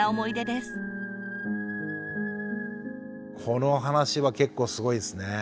この話は結構すごいですね。